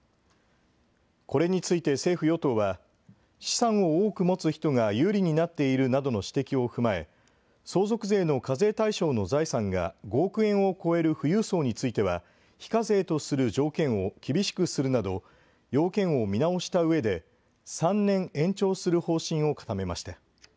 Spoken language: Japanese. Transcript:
これについて政府・与党は、資産を多く持つ人が有利になっているなどの指摘を踏まえ、相続税の課税対象の財産が５億円を超える富裕層については、非課税とする条件を厳しくするなど、要件を見直したうえで、３年延長する方針を固めました。